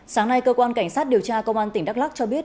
sáng nay cơ quan cảnh sát điều tra công an tỉnh đắk lắc cho biết